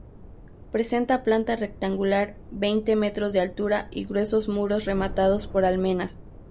Presenta planta rectangular, veinte metros de altura y gruesos muros rematados por almenas.